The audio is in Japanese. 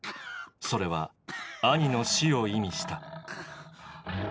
それは「兄」の死を意味した。